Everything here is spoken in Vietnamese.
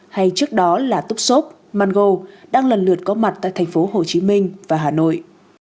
hay trước đó là túc shop mango đang lần lượt có mặt tại thành phố hồ chí minh và hà nội